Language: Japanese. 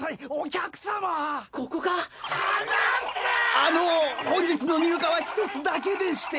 あの本日の入荷は１つだけでして。